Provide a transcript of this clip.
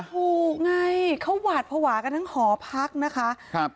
ถูกไงเขาหวาดพวากันทั้งหอพักนะคะ